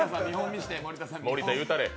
森田言うたれ。